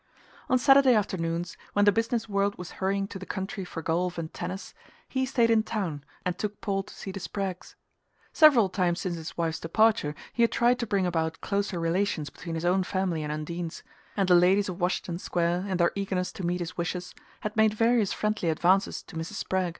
On Saturday afternoons, when the business world was hurrying to the country for golf and tennis, he stayed in town and took Paul to see the Spraggs. Several times since his wife's departure he had tried to bring about closer relations between his own family and Undine's; and the ladies of Washington Square, in their eagerness to meet his wishes, had made various friendly advances to Mrs. Spragg.